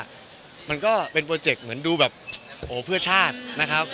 มันก็เป็นโปรเจกต์เหมือนดูแบบโอ้เพื่อชาตินะครับ